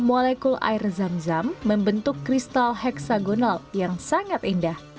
molekul air zam zam membentuk kristal heksagonal yang sangat indah